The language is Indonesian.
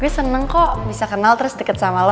tapi seneng kok bisa kenal terus deket sama lo